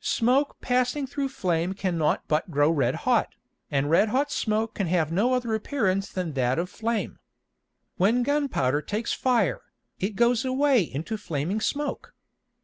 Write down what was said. Smoke passing through Flame cannot but grow red hot, and red hot Smoke can have no other appearance than that of Flame. When Gun powder takes fire, it goes away into Flaming Smoke.